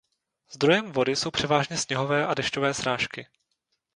Zdrojem vody jsou převážně sněhové a dešťové srážky.